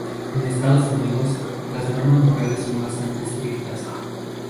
En Estados Unidos, las normas morales son bastante estrictas.